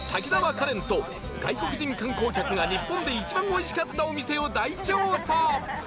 カレンと外国人観光客が日本で一番おいしかったお店を大調査